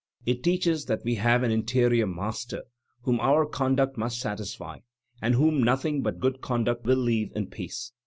It teaches that we have an interior Master whom our conduct must satisfy and whom nothing but good conduct will leave in peace.